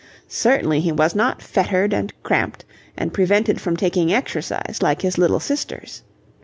Certainly he was not fettered and cramped and prevented from taking exercise like his little sisters.